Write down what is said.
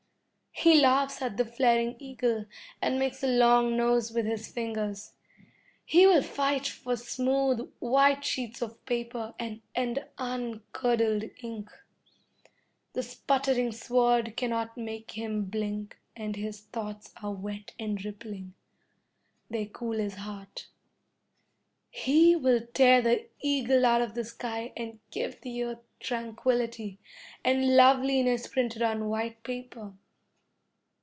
He laughs at the flaring eagle and makes a long nose with his fingers. He will fight for smooth, white sheets of paper, and uncurdled ink. The sputtering sword cannot make him blink, and his thoughts are wet and rippling. They cool his heart. He will tear the eagle out of the sky and give the earth tranquillity, and loveliness printed on white paper.